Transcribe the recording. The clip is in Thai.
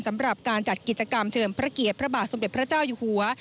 สำหรับการจัดกิจกรรมเฉิมพระเกียรติพระบาทสมเด็จพระเจ้าอยู่หัว